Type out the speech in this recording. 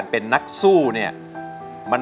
โน่นไม่ครับ